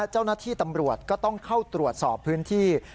เจ้าหน้าที่ตำรวจก็ต้องเข้าตรวจสอบพื้นที่